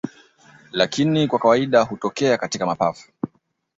Lakini kwa kawaida hutokea katika mapafu